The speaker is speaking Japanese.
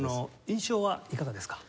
印象はいかがですか？